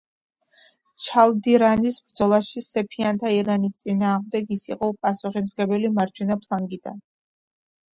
ჩალდირანის ბრძოლაში, სეფიანთა ირანის წინააღმდეგ, ის იყო პასუხისმგებელი მარჯვენა ფლანგიდან.